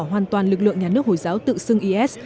hoàn toàn lực lượng nhà nước hồi giáo tự xưng is